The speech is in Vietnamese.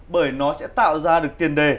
bởi nó sẽ tạo ra được tiền đề